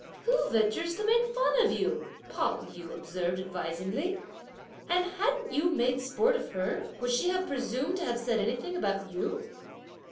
"Who ventures to make fun of you?" Pao yü observed advisingly; "and hadn't you made sport of her, would she have presumed to have said anything about you?"